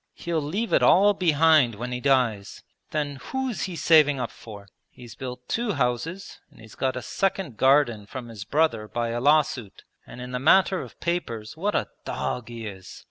'He'll leave it all behind when he dies! Then who's he saving up for? He's built two houses, and he's got a second garden from his brother by a law suit. And in the matter of papers what a dog he is!